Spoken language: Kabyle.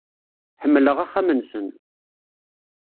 Ḥemmleɣ axxam-nsen.